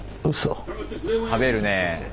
食べるね。